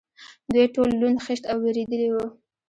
دوی ټول لوند، خېشت او وېرېدلي و.